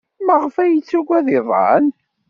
Maɣef ay yettaggad iḍan?